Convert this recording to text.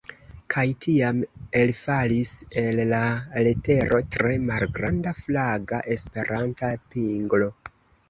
Kaj tiam elfalis el la letero tre malgranda flaga Esperanta pinglo.